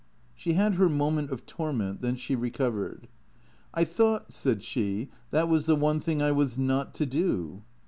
She had her moment of torment; then she recovered. " I thought," said she, " that was the one thing I was not to do."